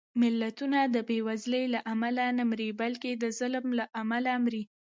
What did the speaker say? ملتونه د بېوزلۍ له امله نه مري، بلکې د ظلم له امله مري